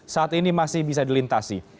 saat ini masih bisa dilintasi